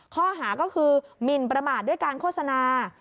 ข้อหาก็คือหมินประมาทด้วยการโฆษณา